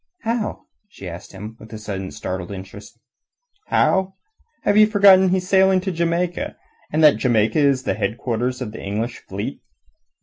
"How?" she asked him with a sudden startled interest. "How? Have you forgotten that he's sailing to Jamaica, and that Jamaica is the headquarters of the English fleet?